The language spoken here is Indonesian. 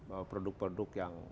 terutama yang produk produk yang